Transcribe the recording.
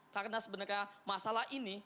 karena sebenarnya masalah ini